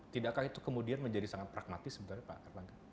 tidakkah itu kemudian menjadi sangat pragmatis sebenarnya pak erlangga